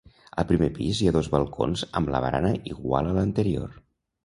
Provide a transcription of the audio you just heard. Al primer pis hi ha dos balcons amb la barana igual a l'anterior.